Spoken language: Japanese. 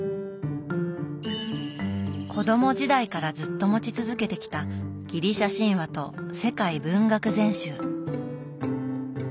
子ども時代からずっと持ち続けてきた「ギリシア神話」と「世界文學全集」。